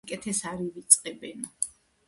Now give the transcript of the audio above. გაცემულ სიკეთეს არ ივიწყებენო